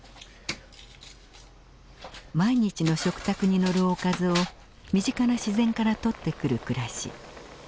毎日の食卓に載るおかずを身近な自然から取ってくる暮らし。